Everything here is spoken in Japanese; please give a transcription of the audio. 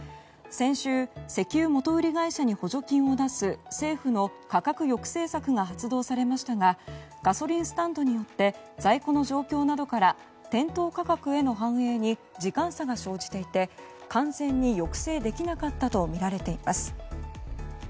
先週、石油元売り会社に補助金を出す政府の価格抑制策が発動されましたがガソリンスタンドによって在庫の状況などから店頭価格への反映に時間差が生じていて完全に抑制できなかったとみられています。